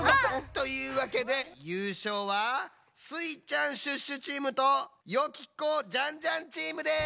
というわけでゆうしょうはスイちゃん＆シュッシュチームとよき子＆ジャンジャンチームです！